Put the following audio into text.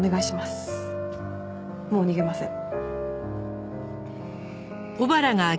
もう逃げません。